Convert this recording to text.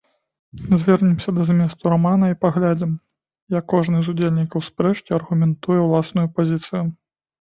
Звернемся да зместу рамана і паглядзім, як кожны з удзельнікаў спрэчкі аргументуе ўласную пазіцыю.